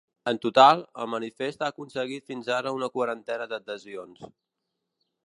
En total, el manifest ha aconseguit fins ara una quarantena d’adhesions.